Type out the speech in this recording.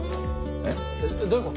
えっどういうこと？